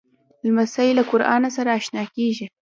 لمسی له قرآنه سره اشنا کېږي.